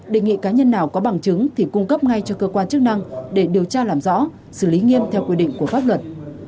đề nghị cá nhân nào có bằng chứng thì cung cấp ngay cho cơ quan chức năng để điều tra làm rõ xử lý nghiêm theo quy định của pháp luật